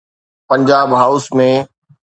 Punjab house ۾.